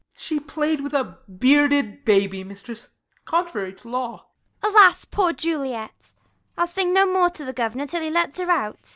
Ben. She play'd with a bearded baby, mistress. Contrary to law. Viol. Alas, poor Juliet ! I'll sing no more To the governor, till he lets her out.